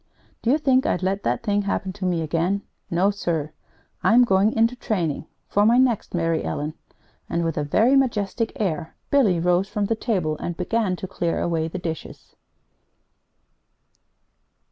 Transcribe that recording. Do you think I'd let that thing happen to me again? No, sir! I'm going into training for my next Mary Ellen!" And with a very majestic air Billy rose from the table and began to clear away the dishes.